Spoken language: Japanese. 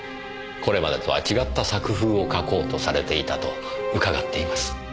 これまでとは違った作風を書こうとされていたと伺っています。